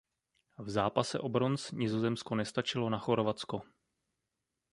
V zápase o bronz Nizozemsko nestačilo na Chorvatsko.